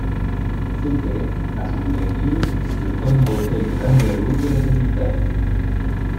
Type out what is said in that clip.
C'était, à son ouverture, le premier hôtel de bungalows de la capitale.